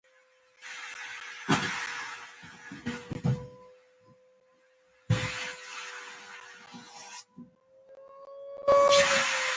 ایا زما اسهال به ښه شي؟